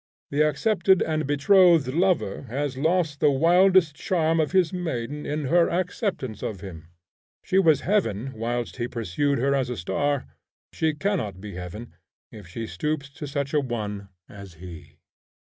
The accepted and betrothed lover has lost the wildest charm of his maiden in her acceptance of him. She was heaven whilst he pursued her as a star: she cannot be heaven if she stoops to such a one as he.